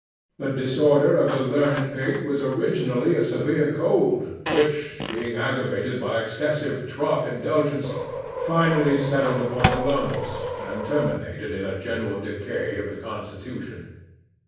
The disorder of the learned pig was originally a severe cold, which, being aggravated by excessive trough indulgence, finally settled upon the lungs, and terminated in a general decay of the constitution.